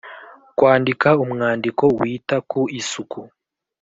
Kwandika umwandiko wita ku isuku